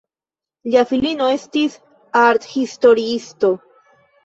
Lia filino estis arthistoriisto.